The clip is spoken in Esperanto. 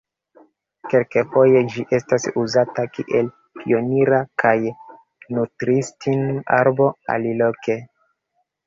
Kelkfoje ĝi estas uzata kiel pionira kaj nutristin-arbo aliloke.